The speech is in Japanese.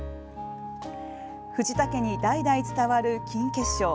藤田家に代々伝わる金結晶。